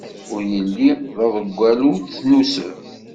Ur yelli d aḍeggal, ur t-nnuseb.